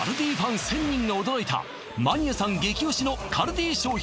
１０００人が驚いたマニアさん激推しのカルディ商品